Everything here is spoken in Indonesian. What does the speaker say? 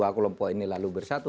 bahwa kelompok ini lalu bersatu